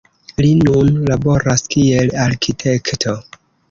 Li nun laboras kiel arkitekto.